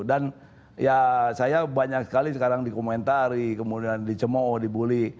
dan ya saya banyak sekali sekarang dikomentari kemudian dicemoh dibully